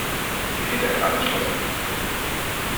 Wie wird der Herd angeschlossen?